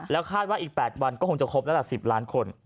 แล้วคาดว่าอีก๘วันก็คงจะครบแล้วล่ะ๑๐ล้านคน